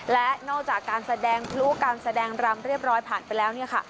และนอกจากการแสดงพลุการแสดงรำเรียบร้อยผ่านไปแล้วเนี่ยค่ะ